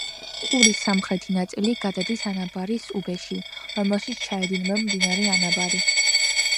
ყურის სამხრეთი ნაწილი გადადის ანაბარის უბეში, რომელშიც ჩაედინება მდინარე ანაბარი.